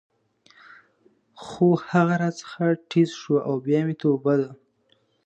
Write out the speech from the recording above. خو هغه راڅخه ټیز شو او بیا مې توبه ده.